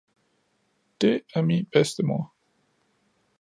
Det er min bedstemoder!